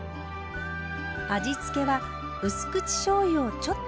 味付けはうす口しょうゆをちょっと。